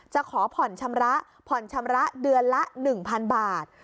จะขอผ่อนชำระเดือนละ๑๐๐๐บาท